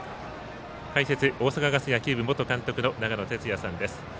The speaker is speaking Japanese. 解説は大阪ガス野球部元監督の長野哲也さんです。